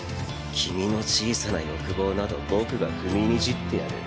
君の小さな欲望など僕が踏みにじってやる。